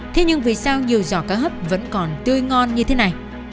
thế nhưng vì sao nhiều giỏ cá hấp vẫn còn tươi ngon như thế này